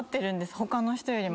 他の人よりも。